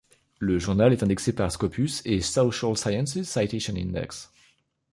Le journal est indexé par Scopus et Social Sciences Citation Index.